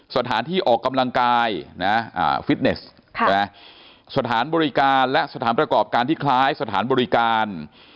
สถานที่ออกกำลังกายฟิตเนสสถานบริการและสถานประกอบการที่คล้ายสถานบริการ